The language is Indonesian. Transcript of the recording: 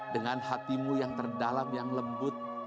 dengan hatimu yang terdalam yang lembut